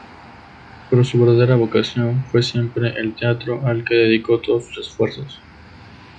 Pero su verdadera vocación fue siempre el teatro al que dedicó todos sus esfuerzos.